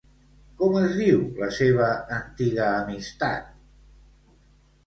Com es diu la seva antiga amistat?